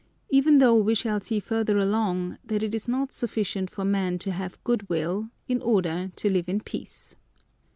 even though we shall see further along that it is not sufficient for men to have good will in order to live in peace.